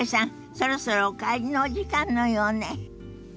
そろそろお帰りのお時間のようね。